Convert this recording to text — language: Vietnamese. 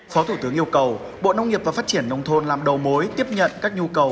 phó thủ tướng yêu cầu bộ nông nghiệp và phát triển nông thôn làm đầu mối tiếp nhận các nhu cầu